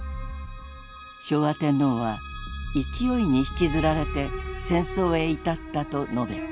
昭和天皇は「勢に引づられて」戦争へ至ったと述べた。